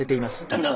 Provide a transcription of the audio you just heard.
「旦那